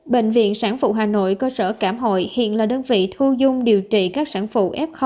bệnh viện sản phụ hà nội cơ sở cảm hội hiện là đơn vị thu dung điều trị các sản phụ f